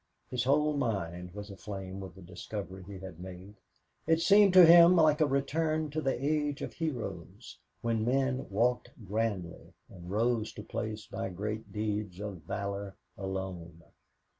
His whole mind was aflame with the discovery he had made. It seemed to him like a return to the age of heroes, when men walked grandly and rose to place by great deeds of valor alone.